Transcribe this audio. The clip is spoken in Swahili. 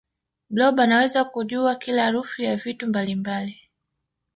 blob anaweza kujua kila harufu ya vitu mbalimbali